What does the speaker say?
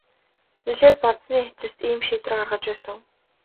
Нэлээд бодсоны эцэст ийм шийдвэр гаргаж байсан.